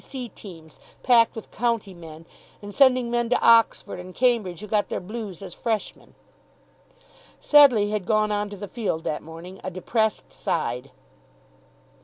C.C. teams packed with county men and sending men to Oxford and Cambridge who got their blues as freshmen. Sedleigh had gone on to the field that morning a depressed side.